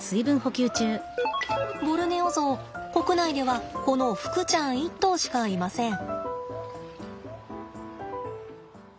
ボルネオゾウ国内ではこのふくちゃん１頭しかいません。